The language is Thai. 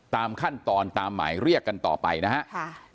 ตามขั้นตอนตามหมายเรียกกันต่อไปนะครับ